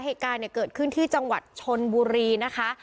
แภกการเกิดขึ้นที่จังหวัดชลบุรีนะคะ